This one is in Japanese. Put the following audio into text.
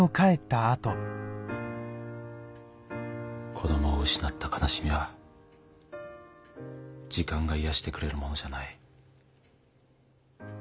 子どもを失った悲しみは時間が癒やしてくれるものじゃない。